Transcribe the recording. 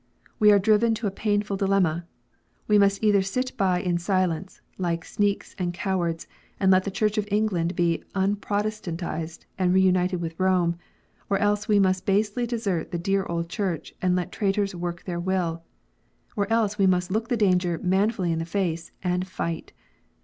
We are driven to a painful dilemma. We must either sit by in silence, like sneaks and cowards, and let the Church of England be unprotestantized and re united with Koine ; or else we must basely desert the dear old Church and let traitors work their will ; or else we must look the danger manfully in the face, and fight